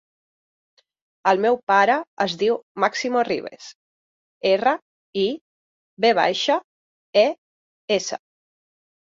El meu pare es diu Máximo Rives: erra, i, ve baixa, e, essa.